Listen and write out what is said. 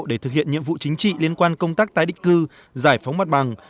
để thực hiện nhiệm vụ chính trị liên quan công tác tái định cư giải phóng mặt bằng